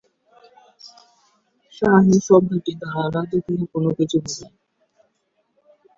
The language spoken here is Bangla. শাহী শব্দটি দ্বারা রাজকীয় কোনো কিছু বুঝায়।